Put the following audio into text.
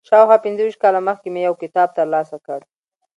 شاوخوا پنځه ویشت کاله مخکې مې یو کتاب تر لاسه کړ.